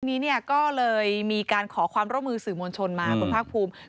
ทีนี้เนี่ยก็เลยมีการขอความร่วมมือสื่อมวลชนมาคุณภาคภูมิ